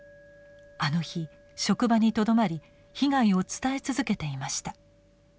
あの日職場にとどまり被害を伝え続けていました。